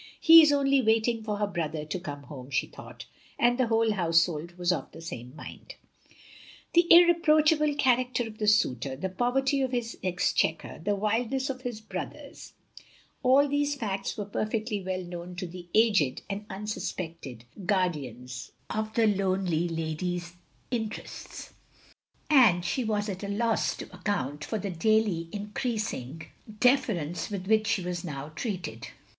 "He is only waiting for her brother to come home," she thought; and the whole household was of the same mind. The irreproachable character of the suitor — the poverty of his exchequer — ^the wildness of his brothers — ^all these facts were perfectly well known to the aged and tmsuspected guardians OP GROSVENOR SQUARE 257 of the lonely lady's interests; and she was at a loss to accotmt for the daily increasing deference with which she was now treated.